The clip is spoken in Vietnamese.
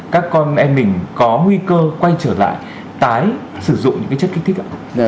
các con em mình có nguy cơ quay trở lại tái sử dụng những cái chất kích thích ạ